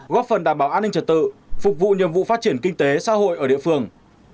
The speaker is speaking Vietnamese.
góp phần đảm bảo an ninh trật tự phục vụ nhiệm vụ phát triển kinh tế xã hội ở địa phương